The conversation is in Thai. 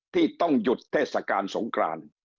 ที่ต้องหยุดเทศกาลสงคราน